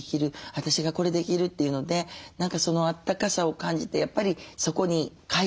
私がこれできるっていうので何かそのあったかさを感じてやっぱりそこに返したい思い